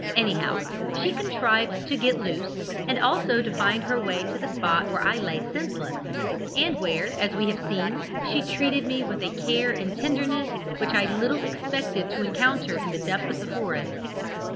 Anyhow, she contrived to get loose, and also to find her way to the spot where I lay senseless, and where, as we have seen, she treated me with a care and tenderness which I little expected to encounter in the depth of the forest.